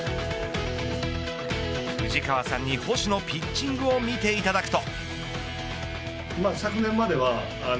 藤川さんに星のピッチングを見ていただくと。